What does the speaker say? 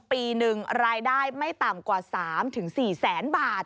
ปีหนึ่งรายได้ไม่ต่ำกว่า๓๔แสนบาท